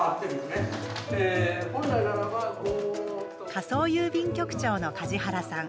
仮想郵便局長の梶原さん。